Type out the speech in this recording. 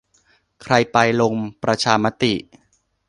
ใครไป ลงประชามติ